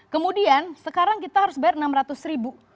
kemudian sekarang kita harus bayar rp enam ratus ribu